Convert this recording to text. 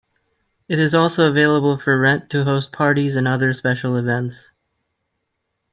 It is also available for rent to host parties and other special events.